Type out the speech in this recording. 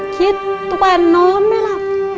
คิดทุกวันนอนไม่หลับ